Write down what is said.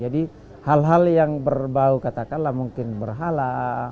hal hal yang berbau katakanlah mungkin berhala